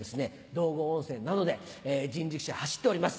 道後温泉などで人力車走っております。